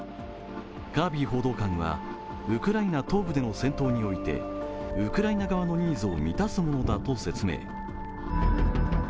カービー報道官は、ウクライナ東部での戦闘において、ウクライナ側のニーズを満たすものだと説明。